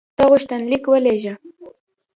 ته غوښتنلیک ولېږه.